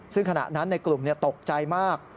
ซึ่งขณะนั้นในกลุ่มตกใจมาก